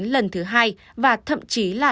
lần thứ hai và thậm chí là